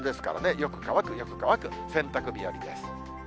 よく乾く、よく乾く、洗濯日和です。